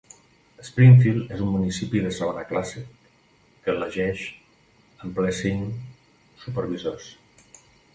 Springfield és un municipi de segona classe que elegeix en ple cinc supervisors.